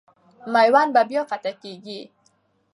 میوند به بیا فتح کېږي.